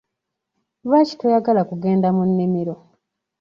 Lwaki toyagala kugenda mu nnimiro?